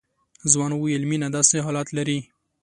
ځوان وويل مينه داسې حالات لري.